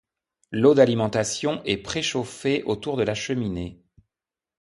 L'eau d'alimentation est préchauffée autour de la cheminée.